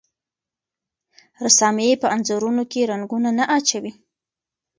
رسامي په انځورونو کې رنګونه نه اچوي.